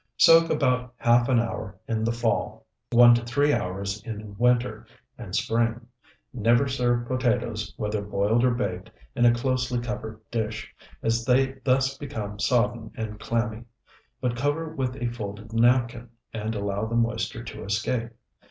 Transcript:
Soak about half an hour in the fall, one to three hours in winter and spring. Never serve potatoes, whether boiled or baked, in a closely covered dish, as they thus become sodden and clammy; but cover with a folded napkin, and allow the moisture to escape.